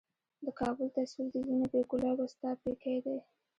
د کـــــــــابل تصویر د وینو ،بې ګلابه ستا پیکی دی